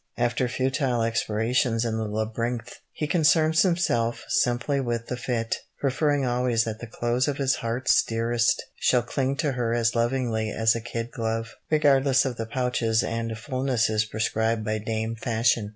After futile explorations in the labyrinth, he concerns himself simply with the fit, preferring always that the clothes of his heart's dearest shall cling to her as lovingly as a kid glove, regardless of the pouches and fulnesses prescribed by Dame Fashion.